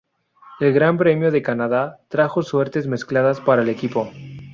El Gran Premio de Canadá trajo suertes mezcladas para el equipo.